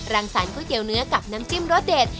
สารก๋วยเตี๋ยเนื้อกับน้ำจิ้มรสเด็ด